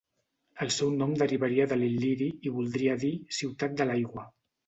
El seu nom derivaria de l'il·liri i voldria dir 'ciutat de l'aigua'.